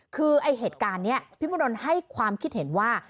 คือไอ้เหตุการณ์นี้พี่มดลให้ความคิดเห็นว่า